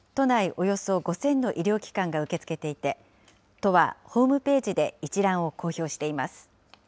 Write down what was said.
およそ５０００の医療機関が受け付けていて、都はホームページで一覧を公表しています。